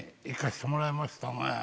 行かしてもらいましたね。